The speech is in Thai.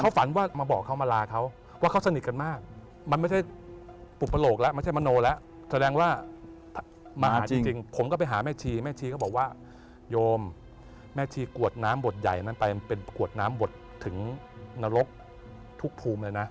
ฝันว่ามาบอกเขามาลาเขาว่าเขาสนิทกันมากมันไม่ใช่อุปโลกแล้วไม่ใช่มโนแล้วแสดงว่ามาหาจริงผมก็ไปหาแม่ชีแม่ชีเขาบอกว่าโยมแม่ชีกวดน้ำบทใหญ่นั้นไปมันเป็นกวดน้ำบทถึงนรกทุกภูมิเลยนะ